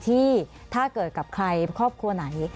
ที่ถ้าเกิดกับใครครอบครัวไหน